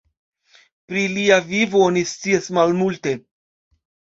Pri lia vivo oni scias malmulte.